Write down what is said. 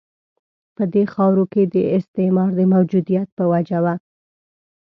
په دې خاورو کې د استعمار د موجودیت په وجه وه.